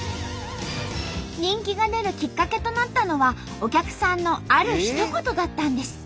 人気が出るきっかけとなったのはお客さんのあるひと言だったんです。